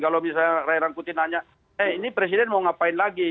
kalau misalnya ray rangkuti nanya eh ini presiden mau ngapain lagi